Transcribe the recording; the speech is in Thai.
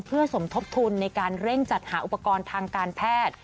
เพื่อสมทบทุนในการเร่งจัดหาอุปกรณ์ทางการแพทย์